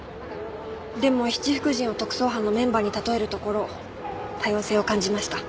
でも七福神を特捜班のメンバーに例えるところ多様性を感じました。